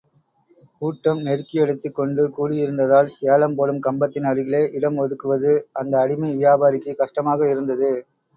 கூட்டம் நெருக்கியடித்துக் கொண்டு கூடியிருந்ததால், ஏலம்போடும் கம்பத்தின் அருகிலே, இடம் ஒதுக்குவது அந்த அடிமை வியாபாரிக்குக் கஷ்டமாக இருந்தது.